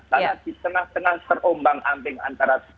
karena di tengah tengah terombang ambing antara